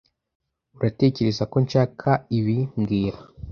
Uratekereza ko nshaka ibi mbwira